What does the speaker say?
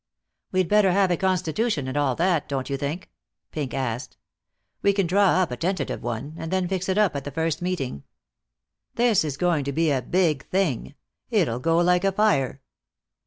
"We'd better have a constitution and all that, don't you think?" Pink asked. "We can draw up a tentative one, and then fix it up at the first meeting. This is going to be a big thing. It'll go like a fire."